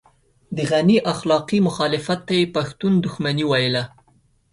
د غني اخلاقي مخالفت ته يې پښتون دښمني ويله.